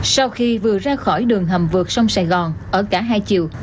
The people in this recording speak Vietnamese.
sau khi vừa ra khỏi đường hầm vượt sông sài gòn ở cả hai chiều